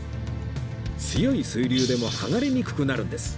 強い水流でも剥がれにくくなるんです